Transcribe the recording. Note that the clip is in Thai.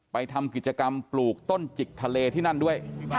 ทำกิจกรรมปลูกต้นจิกทะเลที่นั่นด้วย